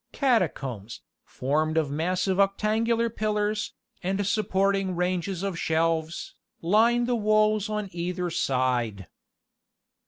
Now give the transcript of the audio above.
Catacombs, formed of massive octangular pillars, and supporting ranges of shelves, line the walls on either side.